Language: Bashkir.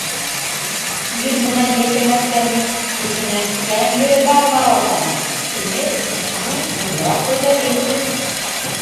Ир менән йәшәмәҫкә ни, кешенән кәм ере бармы Раузаның? һимеҙ, ну, тулыраҡ кәүҙәле инде.